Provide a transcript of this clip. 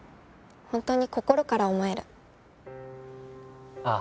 本当に心から思えるあ